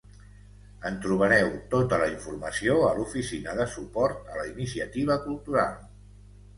En trobareu tota la informació a l'Oficina de Suport a la Iniciativa Cultural.